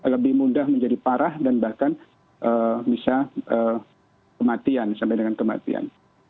lebih mudah menjadi parah dan bahkan bisa kematian sampai dengan kematian